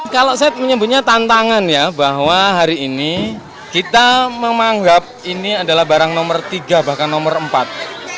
kalau saya menyebutnya tantangan ya bahwa hari ini kita memanggap ini adalah barang nomor tiga bahkan nomor empat